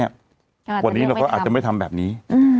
วันนี้เราก็อาจจะไม่ทำแบบนี้